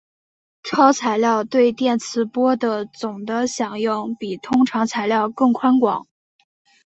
超材料对电磁波的总的响应比通常材料更宽广。